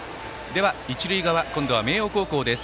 一塁側、今度は明桜高校です。